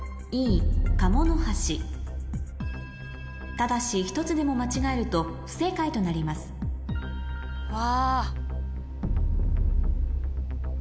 ただし１つでも間違えると不正解となりますうわ。